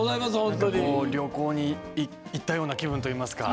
旅行に行ったような気分というか。